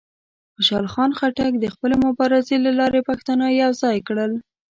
خوشحال خان خټک د خپلې مبارزې له لارې پښتانه یوځای کړل.